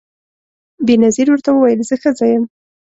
بېنظیر ورته وویل زه ښځه یم